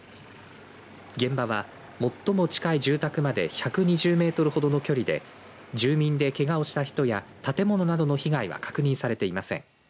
現場は、最も近い住宅まで１２０メートルほどの距離で住民で、けがをした人や建物などの被害は確認されていません。